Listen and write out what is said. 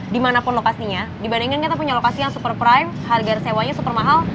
dimanapun lokasinya dibandingin kita punya lokasi yang super prime harga sewa nya super mahal